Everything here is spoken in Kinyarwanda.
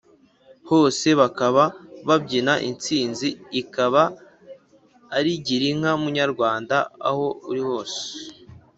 hose bakaba babyina intsinzi ikaba ari girinka munyarwanda aho uri hose.